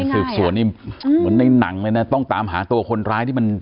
สืบสวนนี่เหมือนในหนังเลยนะต้องตามหาตัวคนร้ายที่มัน